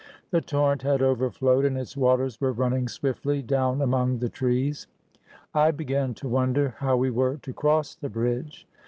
The torrent had overflowed, and its waters were running swiftly down among the trees. I began to wonder how we were to cross the bridge.